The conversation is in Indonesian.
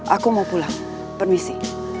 aku mau pulang permisi